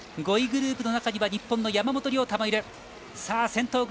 ５位グループの中には日本の山本涼太がいます。